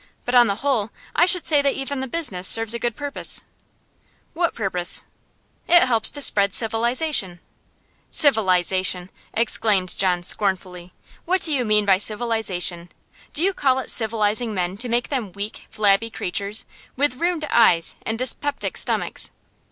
But, on the whole, I should say that even the business serves a good purpose.' 'What purpose?' 'It helps to spread civilisation.' 'Civilisation!' exclaimed John, scornfully. 'What do you mean by civilisation? Do you call it civilising men to make them weak, flabby creatures, with ruined eyes and dyspeptic stomachs?